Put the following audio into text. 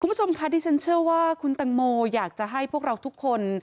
คุณผู้ชมค่ะดิฉันเชื่อว่าคุณตังโมอยากจะให้พวกเราทุกคน